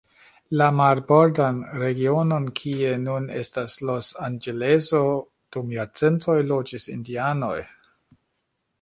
La marbordan regionon, kie nun estas Los Anĝeleso, dum jarcentoj loĝis indianoj.